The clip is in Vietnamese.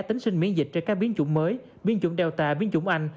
tính sinh miễn dịch trên các biến chủng mới biến chủng delta biến chủng anh